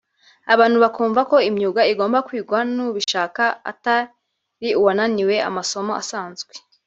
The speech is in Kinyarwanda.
abantu bakumva ko imyuga igomba kwigwa n’ubishaka atari uwananiwe amasomo asanzwe